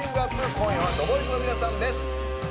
今夜はＴＨＥＢＯＹＺの皆さんです。